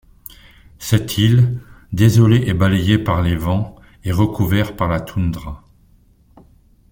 Cette île, désolée et balayée par les vents, est recouvert par la toundra.